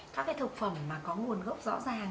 các cái thực phẩm mà có nguồn gốc rõ ràng